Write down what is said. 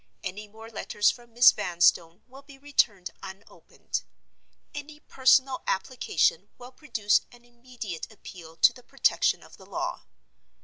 Any more letters from Miss Vanstone will be returned unopened. Any personal application will produce an immediate appeal to the protection of the law.